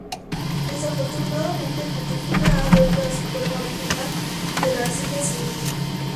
Desafortunadamente, Pitufina ha vuelto a su forma original de la arcilla sin vida.